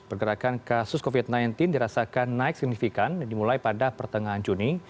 pergerakan kasus covid sembilan belas dirasakan naik signifikan dimulai pada pertengahan juni